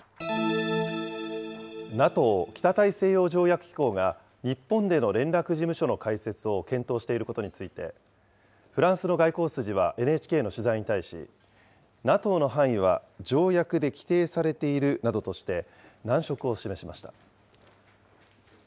ＮＡＴＯ・北大西洋条約機構が日本での連絡事務所の開設を検討していることについて、フランスの外交筋はＮＨＫの取材に対し、ＮＡＴＯの範囲は、条約で規定されているなどとして、難色を示しました。